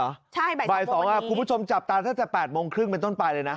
ใช่บ่ายสองพบวันนี้บ่ายสองค่ะคุณผู้ชมจับตาตั้งแต่๘โมงครึ่งเป็นต้นไปเลยนะ